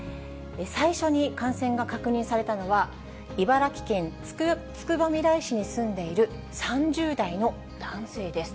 最初に感染が確認されたのは、茨城県つくばみらい市に住んでいる３０代の男性です。